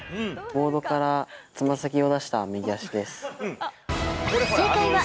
ボードからつま先を出した右正解はＡ。